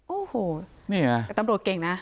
โอ้โหตำรวจเก่งนะ